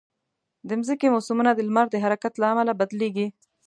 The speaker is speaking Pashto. د مځکې موسمونه د لمر د حرکت له امله بدلېږي.